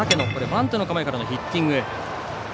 バントの構えからヒッティング。